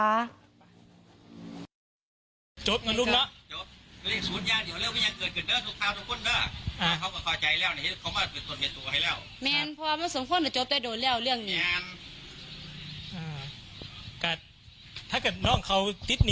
ได้พอสักวันเนี่ยต้องมองพอดีเท็จใจแค่นั้น